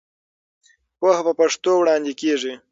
پوهه په پښتو وړاندې کېږي.